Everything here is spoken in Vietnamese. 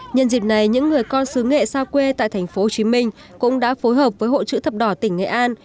nhân dịp này những người con xứ nghệ xa quê tại tp hcm cũng đã phối hợp với hội chữ thập đỏ tỉnh nghệ an